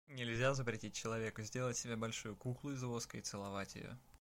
Нельзя запретить человеку сделать себе большую куклу из воска и целовать ее.